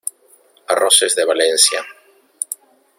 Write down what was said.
Arroces de Valencia.